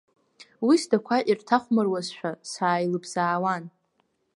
Уи сдақәа ирҭахәмаруазшәа, сааилыбзаауан.